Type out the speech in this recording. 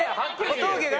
小峠が？